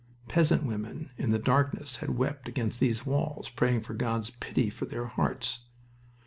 Peasant women, in the darkness, had wept against these walls, praying for God's pity for their hearts.